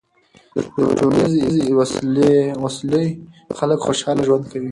د ټولنیزې وصلۍ خلک خوشحاله ژوند کوي.